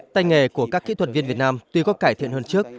tay nghề của các kỹ thuật viên việt nam tuy có cải thiện hơn trước